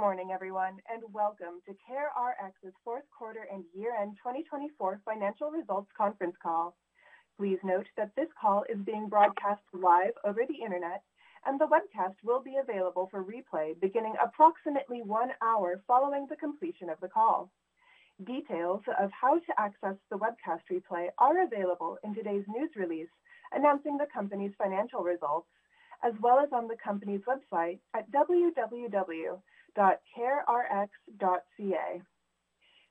Good morning, everyone, and welcome to CareRx's fourth quarter and year-end 2024 financial results conference call. Please note that this call is being broadcast live over the internet, and the webcast will be available for replay beginning approximately one hour following the completion of the call. Details of how to access the webcast replay are available in today's news release announcing the company's financial results, as well as on the company's website at www.carerx.ca.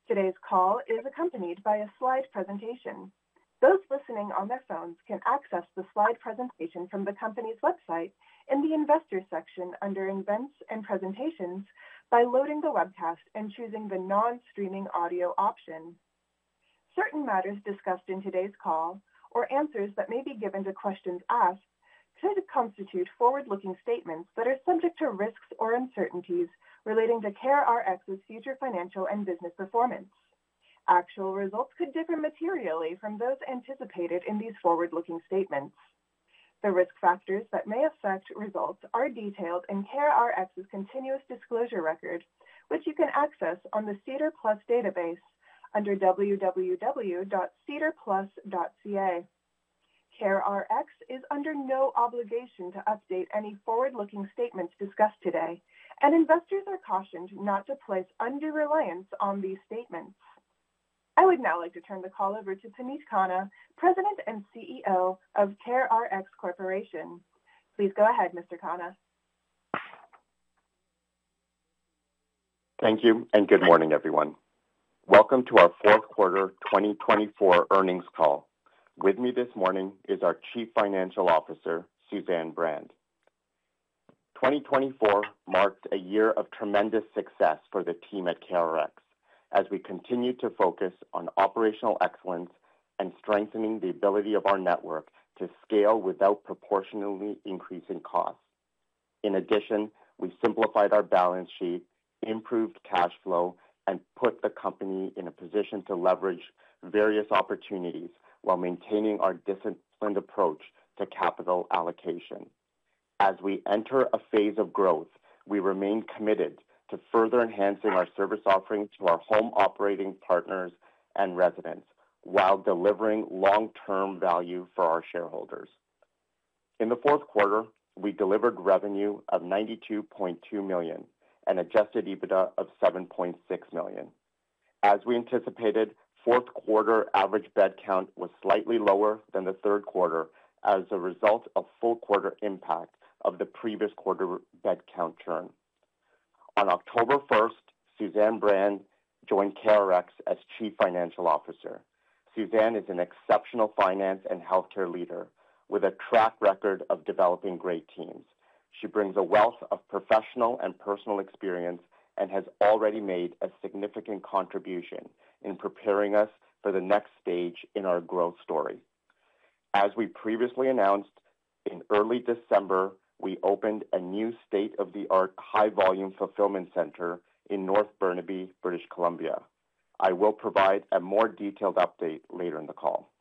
Today's call is accompanied by a slide presentation. Those listening on their phones can access the slide presentation from the company's website in the Investor section under Events and Presentations by loading the webcast and choosing the non-streaming audio option. Certain matters discussed in today's call, or answers that may be given to questions asked, could constitute forward-looking statements that are subject to risks or uncertainties relating to CareRx's future financial and business performance. Actual results could differ materially from those anticipated in these forward-looking statements. The risk factors that may affect results are detailed in CareRx's continuous disclosure record, which you can access on the SEDAR+ database under www.sedarplus.ca. CareRx is under no obligation to update any forward-looking statements discussed today, and investors are cautioned not to place undue reliance on these statements. I would now like to turn the call over to Puneet Khanna, President and CEO of CareRx Corporation. Please go ahead, Mr. Khanna. Thank you, and good morning, everyone. Welcome to our fourth quarter 2024 earnings call. With me this morning is our Chief Financial Officer, Suzanne Brand. 2024 marked a year of tremendous success for the team at CareRx as we continued to focus on operational excellence and strengthening the ability of our network to scale without proportionally increasing costs. In addition, we simplified our balance sheet, improved cash flow, and put the company in a position to leverage various opportunities while maintaining our disciplined approach to capital allocation. As we enter a phase of growth, we remain committed to further enhancing our service offerings to our home-operating partners and residents while delivering long-term value for our shareholders. In the fourth quarter, we delivered revenue of 92.2 million and adjusted EBITDA of 7.6 million. As we anticipated, fourth quarter average bed count was slightly lower than the third quarter as a result of full quarter impact of the previous quarter bed count churn. On October 1, Suzanne Brand joined CareRx as Chief Financial Officer. Suzanne is an exceptional finance and healthcare leader with a track record of developing great teams. She brings a wealth of professional and personal experience and has already made a significant contribution in preparing us for the next stage in our growth story. As we previously announced, in early December, we opened a new state-of-the-art high-volume fulfillment center in North Burnaby, British Columbia. I will provide a more detailed update later in the call.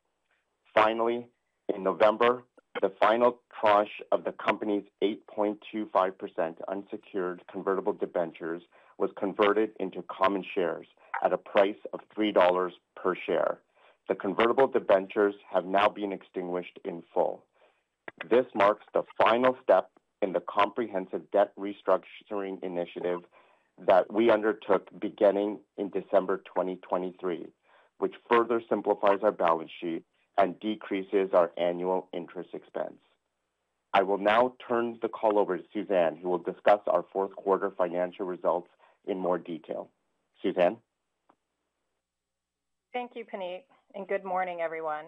Finally, in November, the final tranche of the company's 8.25% unsecured convertible debentures was converted into common shares at a price of 3 dollars per share. The convertible debentures have now been extinguished in full. This marks the final step in the comprehensive debt restructuring initiative that we undertook beginning in December 2023, which further simplifies our balance sheet and decreases our annual interest expense. I will now turn the call over to Suzanne, who will discuss our fourth quarter financial results in more detail. Suzanne? Thank you, Puneet, and good morning, everyone.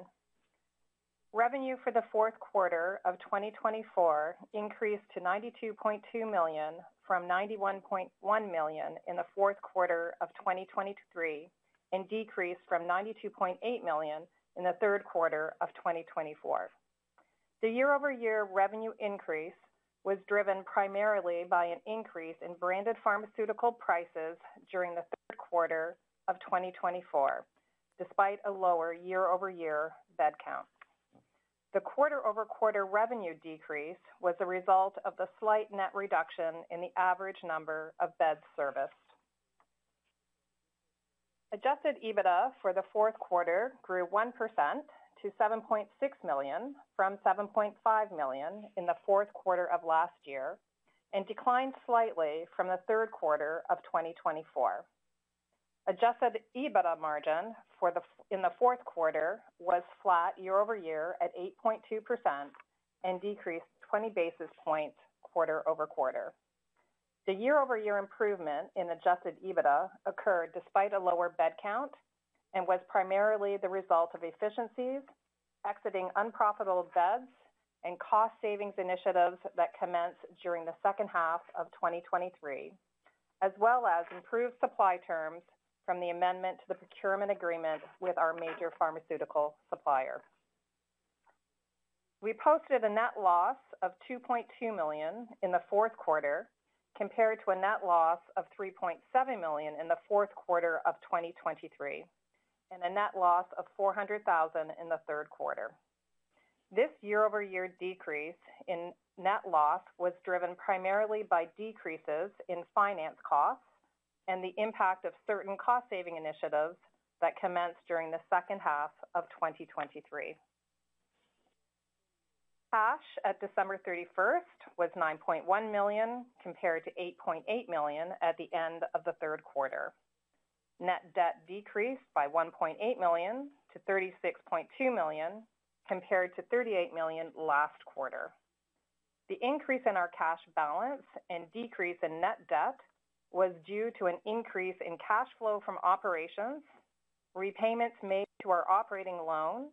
Revenue for the fourth quarter of 2024 increased to 92.2 million from 91.1 million in the fourth quarter of 2023 and decreased from 92.8 million in the third quarter of 2024. The year-over-year revenue increase was driven primarily by an increase in branded pharmaceutical prices during the third quarter of 2024, despite a lower year-over-year bed count. The quarter-over-quarter revenue decrease was a result of the slight net reduction in the average number of beds serviced. Adjusted EBITDA for the fourth quarter grew 1% to 7.6 million from 7.5 million in the fourth quarter of last year and declined slightly from the third quarter of 2024. Adjusted EBITDA margin in the fourth quarter was flat year-over-year at 8.2% and decreased 20 basis points quarter over quarter. The year-over-year improvement in adjusted EBITDA occurred despite a lower bed count and was primarily the result of efficiencies, exiting unprofitable beds, and cost savings initiatives that commenced during the second half of 2023, as well as improved supply terms from the amendment to the procurement agreement with our major pharmaceutical supplier. We posted a net loss of 2.2 million in the fourth quarter compared to a net loss of 3.7 million in the fourth quarter of 2023 and a net loss of 400,000 in the third quarter. This year-over-year decrease in net loss was driven primarily by decreases in finance costs and the impact of certain cost saving initiatives that commenced during the second half of 2023. Cash at December 31st was 9.1 million compared to 8.8 million at the end of the third quarter. Net debt decreased by 1.8 million to 36.2 million compared to 38 million last quarter. The increase in our cash balance and decrease in net debt was due to an increase in cash flow from operations, repayments made to our operating loan,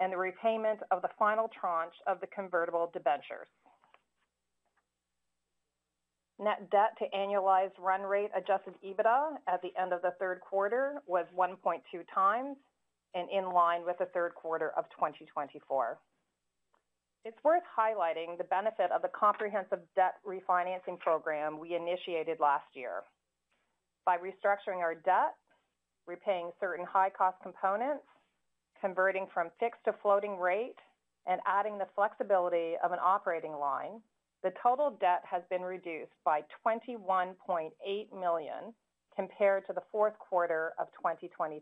and the repayment of the final tranche of the convertible debentures. Net debt to annualized run rate adjusted EBITDA at the end of the third quarter was 1.2 times and in line with the third quarter of 2024. It is worth highlighting the benefit of the comprehensive debt refinancing program we initiated last year. By restructuring our debt, repaying certain high-cost components, converting from fixed to floating rate, and adding the flexibility of an operating line, the total debt has been reduced by 21.8 million compared to the fourth quarter of 2023.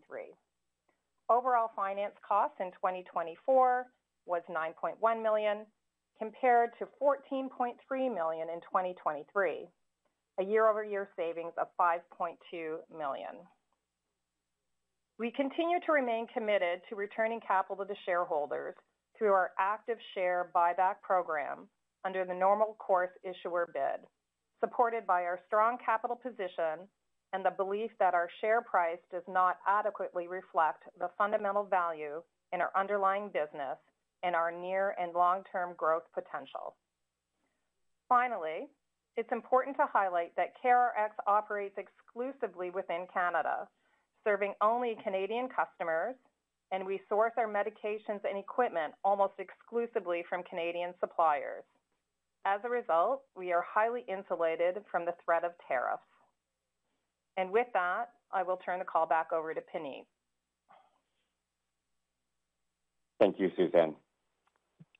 Overall finance costs in 2024 was 9.1 million compared to 14.3 million in 2023, a year-over-year savings of 5.2 million. We continue to remain committed to returning capital to the shareholders through our active share buyback program under the normal course issuer bid, supported by our strong capital position and the belief that our share price does not adequately reflect the fundamental value in our underlying business and our near and long-term growth potential. Finally, it's important to highlight that CareRx operates exclusively within Canada, serving only Canadian customers, and we source our medications and equipment almost exclusively from Canadian suppliers. As a result, we are highly insulated from the threat of tariffs. With that, I will turn the call back over to Puneet. Thank you, Suzanne.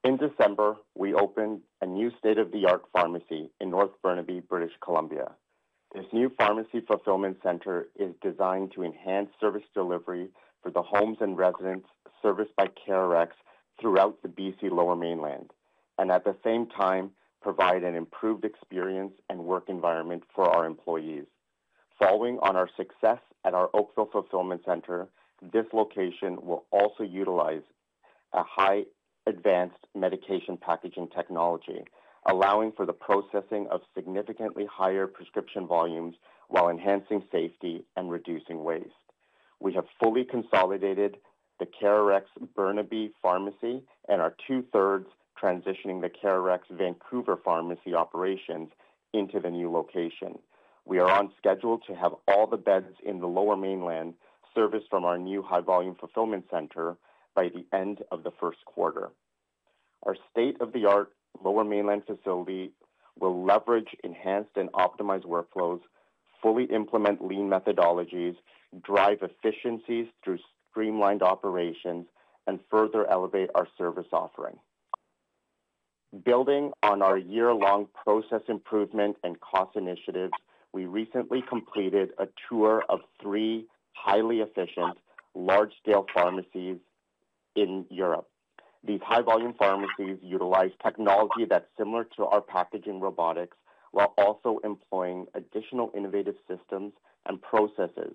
In December, we opened a new state-of-the-art pharmacy in North Burnaby, British Columbia. This new pharmacy fulfillment center is designed to enhance service delivery for the homes and residents serviced by CareRx throughout the BC Lower Mainland and, at the same time, provide an improved experience and work environment for our employees. Following on our success at our Oakville fulfillment center, this location will also utilize a high-advanced medication packaging technology, allowing for the processing of significantly higher prescription volumes while enhancing safety and reducing waste. We have fully consolidated the CareRx Burnaby pharmacy and are two-thirds transitioning the CareRx Vancouver pharmacy operations into the new location. We are on schedule to have all the beds in the Lower Mainland serviced from our new high-volume fulfillment center by the end of the first quarter. Our state-of-the-art Lower Mainland facility will leverage enhanced and optimized workflows, fully implement lean methodologies, drive efficiencies through streamlined operations, and further elevate our service offering. Building on our year-long process improvement and cost initiatives, we recently completed a tour of three highly efficient, large-scale pharmacies in Europe. These high-volume pharmacies utilize technology that's similar to our packaging robotics while also employing additional innovative systems and processes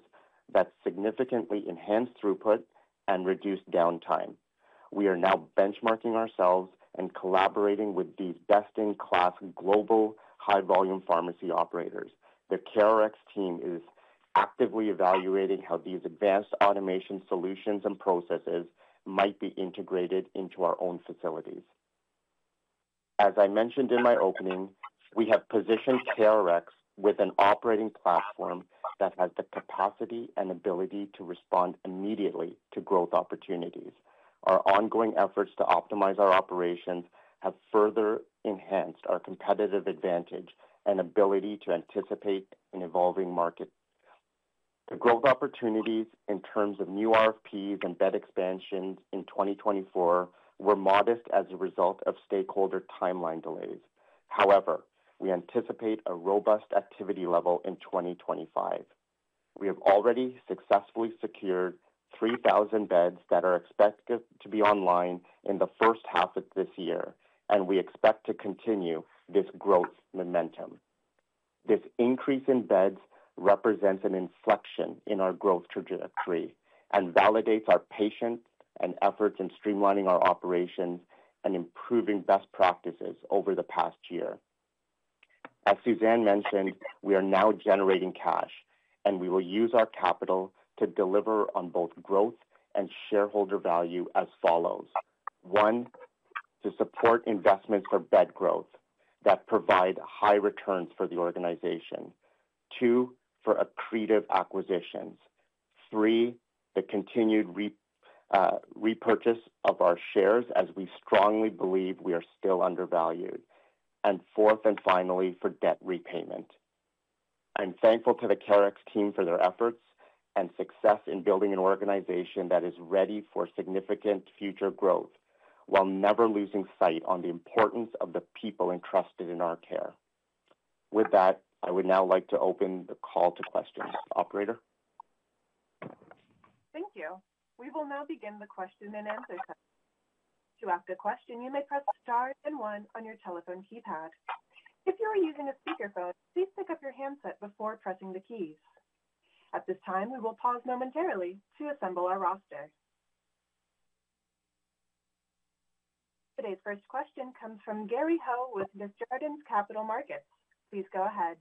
that significantly enhance throughput and reduce downtime. We are now benchmarking ourselves and collaborating with these best-in-class global high-volume pharmacy operators. The CareRx team is actively evaluating how these advanced automation solutions and processes might be integrated into our own facilities. As I mentioned in my opening, we have positioned CareRx with an operating platform that has the capacity and ability to respond immediately to growth opportunities. Our ongoing efforts to optimize our operations have further enhanced our competitive advantage and ability to anticipate an evolving market. The growth opportunities in terms of new RFPs and bed expansions in 2024 were modest as a result of stakeholder timeline delays. However, we anticipate a robust activity level in 2025. We have already successfully secured 3,000 beds that are expected to be online in the first half of this year, and we expect to continue this growth momentum. This increase in beds represents an inflection in our growth trajectory and validates our patience and efforts in streamlining our operations and improving best practices over the past year. As Suzanne mentioned, we are now generating cash, and we will use our capital to deliver on both growth and shareholder value as follows: one, to support investments for bed growth that provide high returns for the organization; two, for accretive acquisitions; three, the continued repurchase of our shares as we strongly believe we are still undervalued; and fourth and finally, for debt repayment. I'm thankful to the CareRx team for their efforts and success in building an organization that is ready for significant future growth while never losing sight on the importance of the people entrusted in our care. With that, I would now like to open the call to questions. Operator. Thank you. We will now begin the question and answer session. To ask a question, you may press star and one on your telephone keypad. If you are using a speakerphone, please pick up your handset before pressing the keys. At this time, we will pause momentarily to assemble our roster. Today's first question comes from Gary Ho with Haywood Capital Markets. Please go ahead.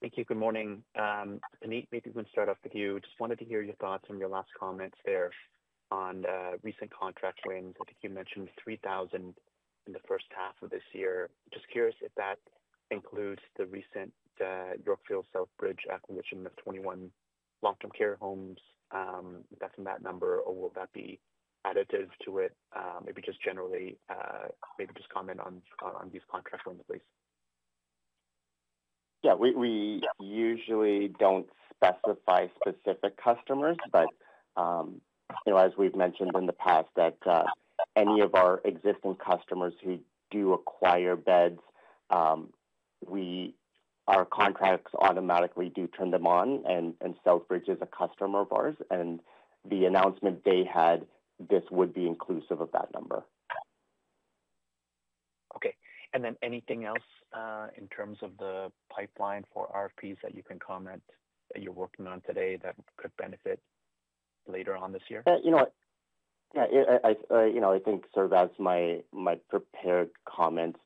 Thank you. Good morning. Puneet, maybe we can start off with you. Just wanted to hear your thoughts on your last comments there on recent contract wins. I think you mentioned 3,000 in the first half of this year. Just curious if that includes the recent Yorkville Southbridge acquisition of 21 long-term care homes. Is that that number, or will that be additive to it? Maybe just generally, maybe just comment on these contract wins, please. Yeah. We usually do not specify specific customers, but as we have mentioned in the past, any of our existing customers who do acquire beds, our contracts automatically do turn them on, and Southbridge is a customer of ours. The announcement they had, this would be inclusive of that number. Okay. Anything else in terms of the pipeline for RFPs that you can comment that you're working on today that could benefit later on this year? You know what? Yeah. I think sort of as my prepared comments,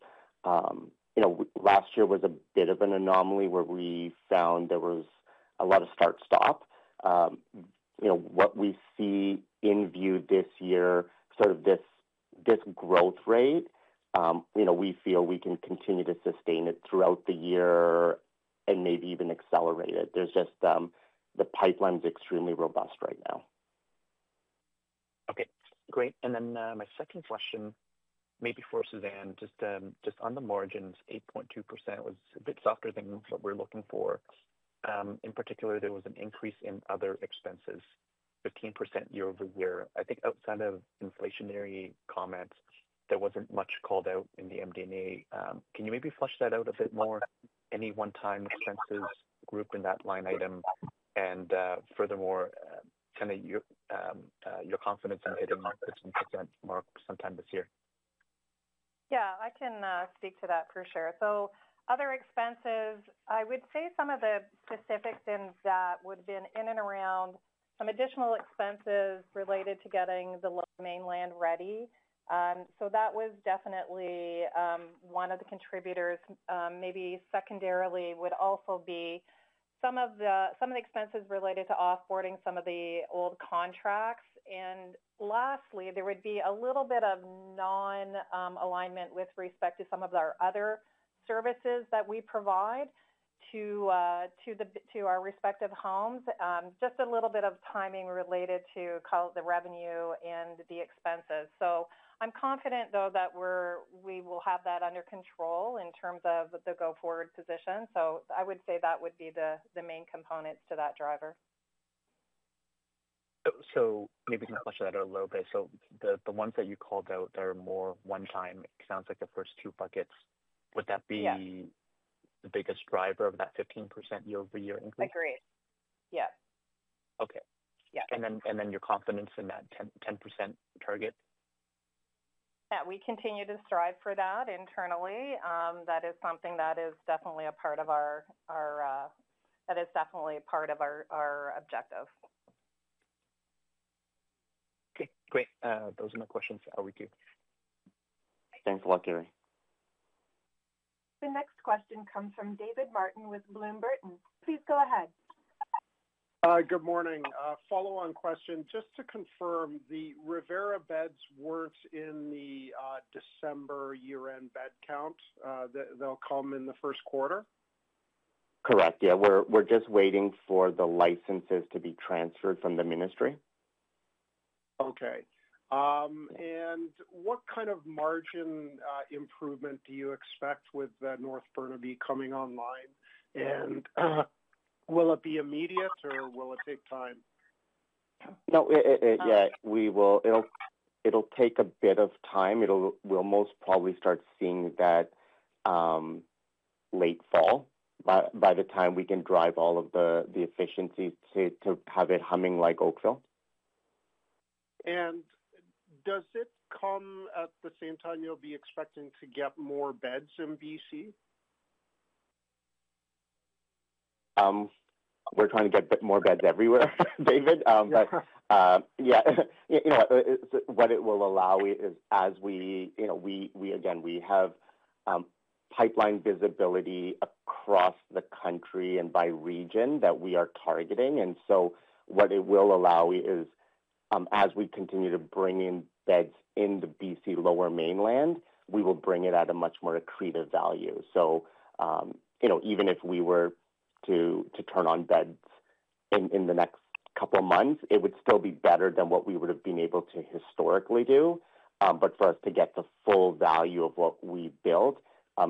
last year was a bit of an anomaly where we found there was a lot of start-stop. What we see in view this year, sort of this growth rate, we feel we can continue to sustain it throughout the year and maybe even accelerate it. There's just the pipeline is extremely robust right now. Okay. Great. My second question, maybe for Suzanne, just on the margins, 8.2% was a bit softer than what we're looking for. In particular, there was an increase in other expenses, 15% year-over-year. I think outside of inflationary comments, there wasn't much called out in the MD&A. Can you maybe flesh that out a bit more? Any one-time expenses grouped in that line item? Furthermore, kind of your confidence in hitting the 10% mark sometime this year? Yeah. I can speak to that for sure. Other expenses, I would say some of the specifics in that would have been in and around some additional expenses related to getting the Lower Mainland ready. That was definitely one of the contributors. Maybe secondarily would also be some of the expenses related to offboarding some of the old contracts. Lastly, there would be a little bit of non-alignment with respect to some of our other services that we provide to our respective homes, just a little bit of timing related to the revenue and the expenses. I'm confident, though, that we will have that under control in terms of the go-forward position. I would say that would be the main components to that driver. Maybe just flush that out a little bit. The ones that you called out that are more one-time, it sounds like the first two buckets. Would that be the biggest driver of that 15% year-over-year increase? Agreed. Yes. Okay. Your confidence in that 10% target? That we continue to strive for that internally. That is something that is definitely a part of our objective. Okay. Great. Those are my questions. I'll wait for you. Thanks a lot, Gary. The next question comes from David Martin with Bloom Burton. Please go ahead. Good morning. Follow-on question. Just to confirm, the Revera beds were not in the December year-end bed count? They will come in the first quarter? Correct. Yeah. We're just waiting for the licenses to be transferred from the ministry. Okay. What kind of margin improvement do you expect with North Burnaby coming online? Will it be immediate, or will it take time? No. Yeah. It'll take a bit of time. We'll most probably start seeing that late fall by the time we can drive all of the efficiencies to have it humming like Oakville. Does it come at the same time you'll be expecting to get more beds in BC? We're trying to get more beds everywhere, David. Yeah, you know what? What it will allow is, as we again, we have pipeline visibility across the country and by region that we are targeting. What it will allow is, as we continue to bring in beds in the BC Lower Mainland, we will bring it at a much more accretive value. Even if we were to turn on beds in the next couple of months, it would still be better than what we would have been able to historically do. For us to get the full value of what we built,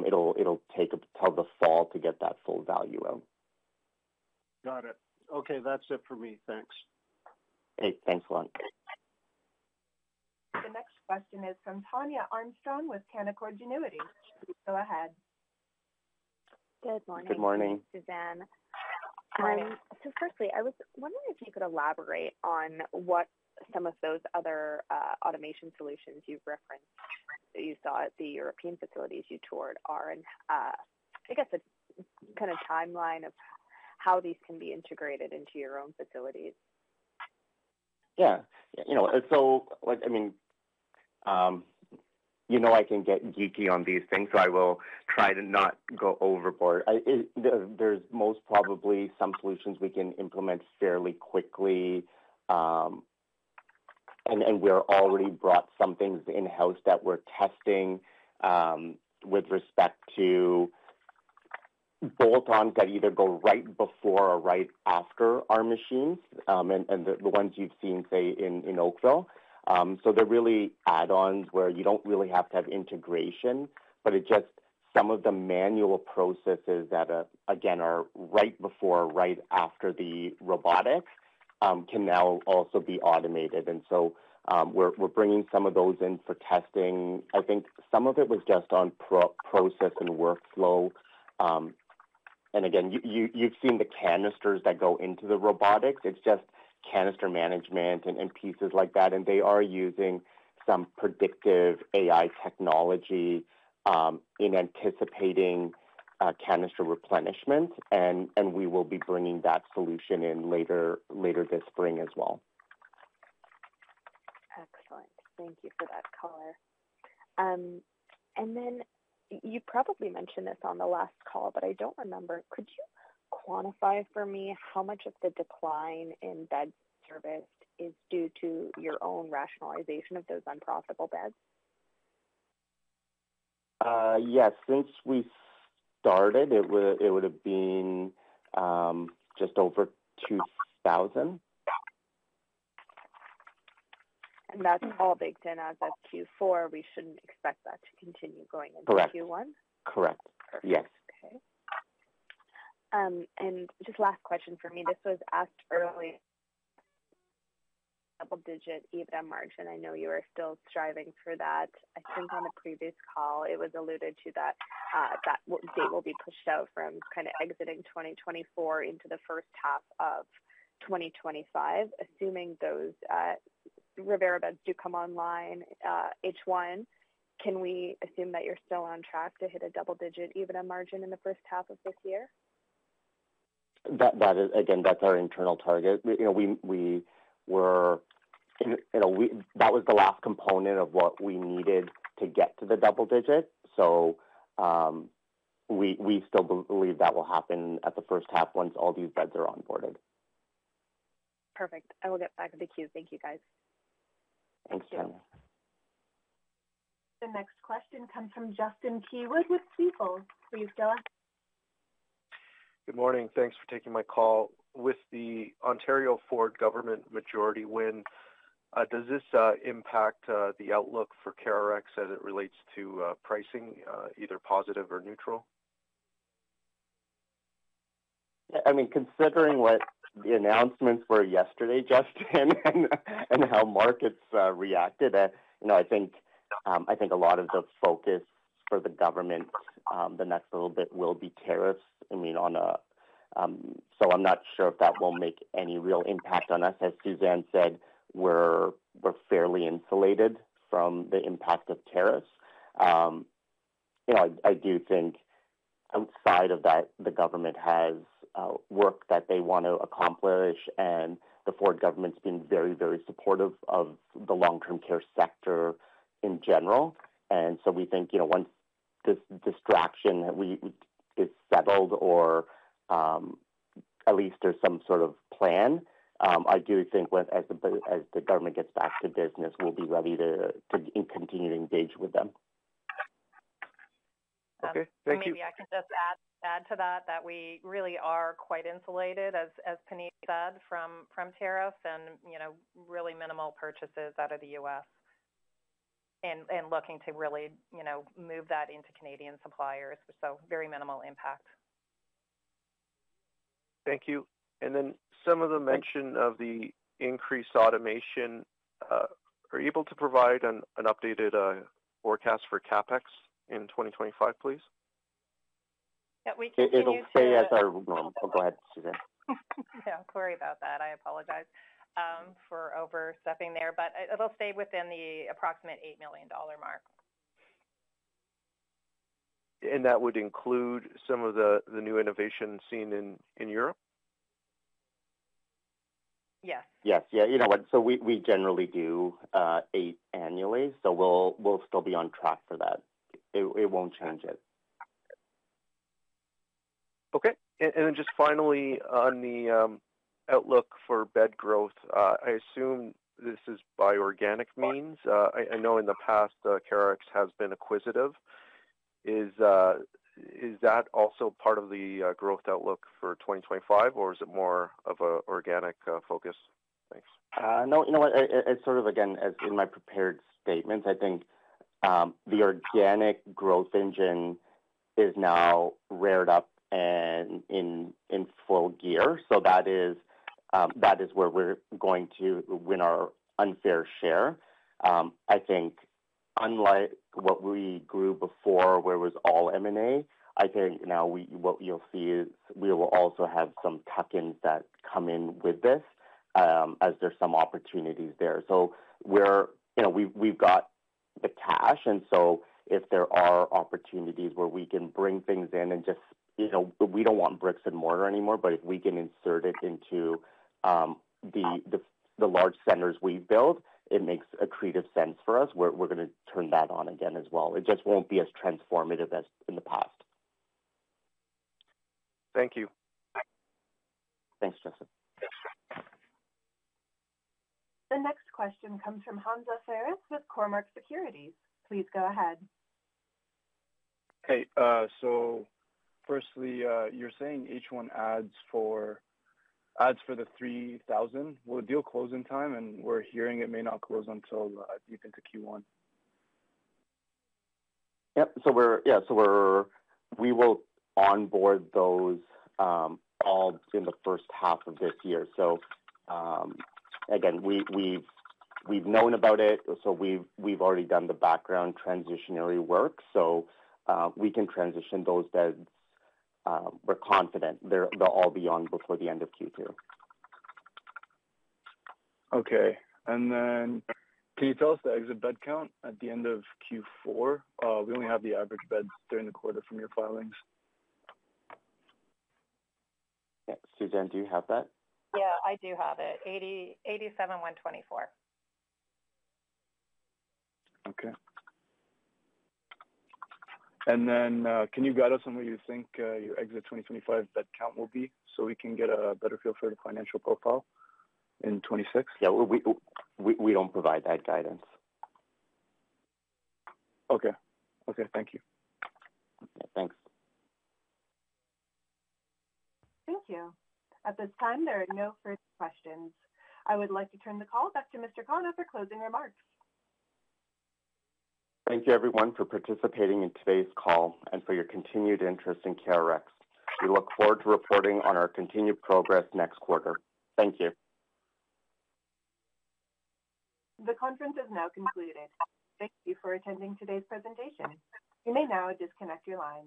it'll take until the fall to get that full value out. Got it. Okay. That's it for me. Thanks. Okay. Thanks a lot. The next question is from Tania Armstrong with Canaccord Genuity. Please go ahead. Good morning. Good morning. This is Suzanne. Firstly, I was wondering if you could elaborate on what some of those other automation solutions you referenced that you saw at the European facilities you toured are, and I guess a kind of timeline of how these can be integrated into your own facilities. Yeah. I mean, I can get geeky on these things, so I will try to not go overboard. There's most probably some solutions we can implement fairly quickly, and we've already brought some things in-house that we're testing with respect to bolt-ons that either go right before or right after our machines and the ones you've seen, say, in Oakville. They're really add-ons where you don't really have to have integration, but it's just some of the manual processes that, again, are right before or right after the robotics can now also be automated. We're bringing some of those in for testing. I think some of it was just on process and workflow. Again, you've seen the canisters that go into the robotics. It's just canister management and pieces like that. They are using some predictive AI technology in anticipating canister replenishment, and we will be bringing that solution in later this spring as well. Excellent. Thank you for that color. You probably mentioned this on the last call, but I don't remember. Could you quantify for me how much of the decline in bed service is due to your own rationalization of those unprofitable beds? Yes. Since we started, it would have been just over 2,000. That's all baked in as of Q4. We shouldn't expect that to continue going into Q1? Correct. Correct. Yes. Okay. Just last question for me. This was asked earlier. Double-digit EBITDA margin. I know you are still striving for that. I think on the previous call, it was alluded to that they will be pushed out from kind of exiting 2024 into the first half of 2025. Assuming those Rivera beds do come online H1, can we assume that you're still on track to hit a double-digit EBITDA margin in the first half of this year? Again, that's our internal target. That was the last component of what we needed to get to the double digit. We still believe that will happen in the first half once all these beds are onboarded. Perfect. I will get back to the queue. Thank you, guys. Thanks, Tania. The next question comes from Justin Keywood with Stifel. Please go ahead. Good morning. Thanks for taking my call. With the Ontario Ford government majority win, does this impact the outlook for CareRx as it relates to pricing, either positive or neutral? I mean, considering what the announcements were yesterday, Justin, and how markets reacted, I think a lot of the focus for the government the next little bit will be tariffs. I mean, on a so I'm not sure if that will make any real impact on us. As Suzanne said, we're fairly insulated from the impact of tariffs. I do think outside of that, the government has work that they want to accomplish, and the Ford government's been very, very supportive of the long-term care sector in general. We think once this distraction is settled or at least there's some sort of plan, I do think as the government gets back to business, we'll be ready to continue to engage with them. Okay. Thank you. Maybe I can just add to that that we really are quite insulated, as Puneet said, from tariffs and really minimal purchases out of the U.S. and looking to really move that into Canadian suppliers. So very minimal impact. Thank you. Some of the mention of the increased automation, are you able to provide an updated forecast for CapEx in 2025, please? That we can use it. It'll stay at our—oh, go ahead, Suzanne. Yeah. Sorry about that. I apologize for overstepping there, but it'll stay within the approximate 8 million dollar mark. Would that include some of the new innovations seen in Europe? Yes. Yes. Yeah. You know what? We generally do eight annually, so we'll still be on track for that. It won't change it. Okay. And then just finally, on the outlook for bed growth, I assume this is by organic means. I know in the past, CareRx has been acquisitive. Is that also part of the growth outlook for 2025, or is it more of an organic focus? Thanks. No. You know what? It's sort of, again, as in my prepared statements, I think the organic growth engine is now rared up and in full gear. That is where we're going to win our unfair share. I think unlike what we grew before where it was all M&A, I think now what you'll see is we will also have some tuck-ins that come in with this as there's some opportunities there. We've got the cash, and if there are opportunities where we can bring things in and just—we don't want bricks and mortar anymore, but if we can insert it into the large centers we build, it makes accretive sense for us. We're going to turn that on again as well. It just won't be as transformative as in the past. Thank you. Thanks, Justin. The next question comes from Hamza Fares with Cormark Securities. Please go ahead. Okay. Firstly, you're saying H1 adds for the 3,000. Will the deal close in time? We're hearing it may not close until deep into Q1. Yep. Yeah. We will onboard those all in the first half of this year. Again, we've known about it, so we've already done the background transitionary work. We can transition those beds. We're confident they'll all be on before the end of Q2. Okay. Can you tell us the exit bed count at the end of Q4? We only have the average beds during the quarter from your filings. Suzanne, do you have that? Yeah. I do have it. 87,124. Okay. Can you guide us on what you think your exit 2025 bed count will be so we can get a better feel for the financial profile in 2026? Yeah. We don't provide that guidance. Okay. Okay. Thank you. Okay. Thanks. Thank you. At this time, there are no further questions. I would like to turn the call back to Mr. Khanna for closing remarks. Thank you, everyone, for participating in today's call and for your continued interest in CareRx. We look forward to reporting on our continued progress next quarter. Thank you. The conference is now concluded. Thank you for attending today's presentation. You may now disconnect your line.